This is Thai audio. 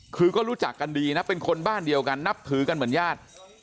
คือก็รู้จักกันดีนะเป็นคนบ้านเดียวกันนับถือกันเหมือนญาติ